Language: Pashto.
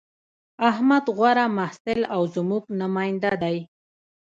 احمد غوره محصل او زموږ نماینده دی